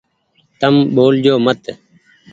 تم ٻول جو مت ۔